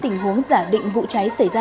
từ lý tình huống giả định vụ cháy xảy ra